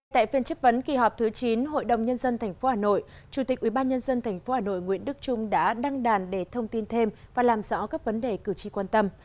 tại phiên chất vấn kỳ họp thứ chín hội đồng nhân dân tp hà nội chủ tịch ubnd tp hà nội nguyễn đức trung đã đăng đàn để thông tin thêm và làm rõ các vấn đề cử tri quan tâm